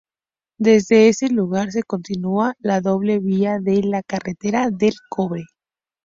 Desde ese lugar se continúa la doble vía de la carretera del Cobre.